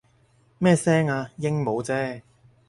咩聲啊？鸚鵡啫